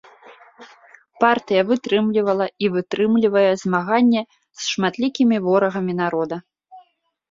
Партыя вытрымлівала і вытрымлівае змаганне з шматлікімі ворагамі народа.